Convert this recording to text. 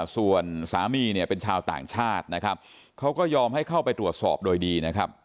ส่วนสามีเนี่ยเป็นชาวต่างชาตินะครับเขาก็ยอมให้เข้าไปตรวจสอบโดยดีนะครับ